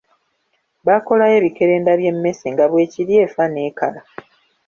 Baakolayo ebikerenda by'emmese nga bwekirya efa n'ekala.